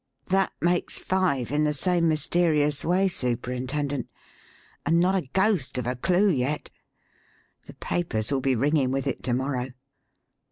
That makes five in the same mysterious way, Superintendent, and not a ghost of a clue yet. The papers will be ringing with it to morrow."